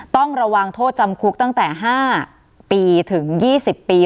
ต้องระวังโทษจำคุกตั้งแต่๕ปีถึง๒๐ปี